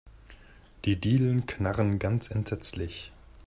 Die Dielen knarren ganz entsetzlich.